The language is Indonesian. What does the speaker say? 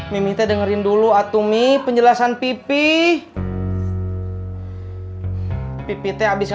sampai jumpa di video selanjutnya